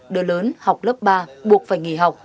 đứa lớn học lớp ba buộc phải nghỉ học